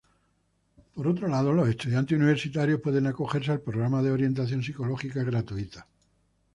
Por otro lado, los estudiantes universitarios pueden acogerse al Programa de Orientación Psicológica Gratuita.